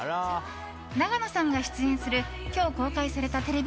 永野さんが出演する今日公開されたテレビ